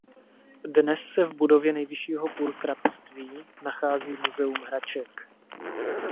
Dnes se v budově nejvyššího purkrabství nachází muzeum hraček.